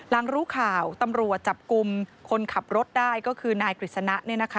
หลังรู้ข่าวตำรวจจับกลุ่มคนขับรถได้ก็คือนายกฤษณะเนี่ยนะคะ